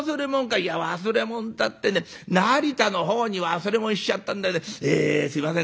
「いや忘れもんたってね成田の方に忘れもんしちゃったんでえすいません